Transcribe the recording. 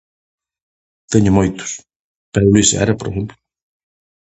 Teño moitos. [unintelligible]